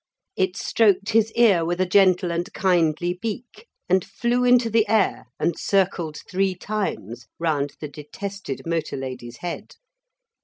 It stroked his ear with a gentle and kindly beak and flew into the air and circled three times round the detested motor lady's head.